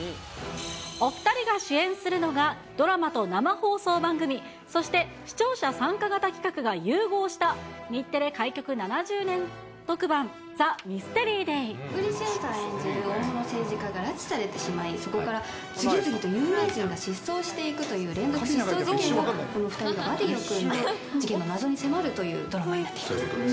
お２人が主演するのが、ドラマと生放送番組、そして視聴者参加型企画が融合した日テレ開局７０年特番、ＴＨＥ大物政治家が拉致されてしまい、そこから次々と有名人が疾走していくという連続失踪事件が、この２人がバディを組んで、事件の謎に迫るというドラマにな